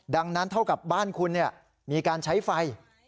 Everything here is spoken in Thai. ดังนั้นเท่ากับบ้านคุณมีการใช้ไฟ